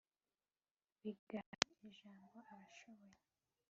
bigaha ijambo abashoboye,